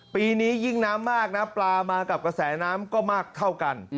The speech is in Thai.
ปีนี้ยิ่งน้ำมากนะปลามากับกระแสน้ำก็มากเท่ากัน